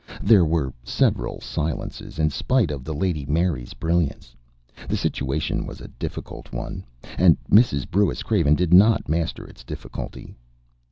There were several silences in spite of the Lady Mary's brilliance. The situation was a difficult one, and Mrs. Brewis Craven did not master its difficulty.